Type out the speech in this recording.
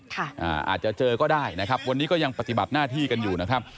อาจจะเจอก็ได้นะครับวันนี้ก็ยังปฏิบัติหน้าที่กันอยู่นะครับ